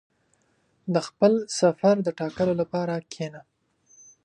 • د خپل سفر د ټاکلو لپاره کښېنه.